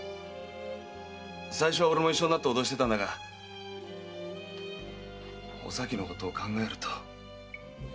最初は俺も一緒になっておどしてたんだがおさきのことを考えると。